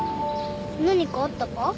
何かあったか？